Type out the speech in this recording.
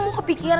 gw juga bener ya